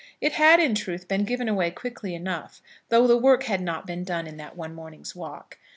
It had, in truth, been given away quickly enough, though the work had not been done in that one morning's walk.